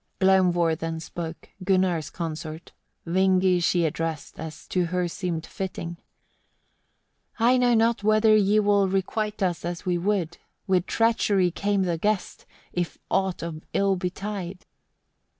30. Glaumvor then spake, Gunnar's consort, Vingi she addressed, as to her seemed fitting: "I know not whether ye will requite us as we would: with treachery came the guest, if aught of ill betide."